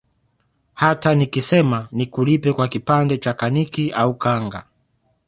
Hata nikisema nikulipe kwa kipande cha kaniki au kanga